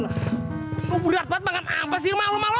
lu berat banget bangun apa sih lu mah lu mah lu